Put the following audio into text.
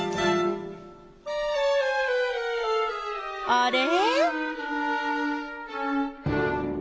あれ？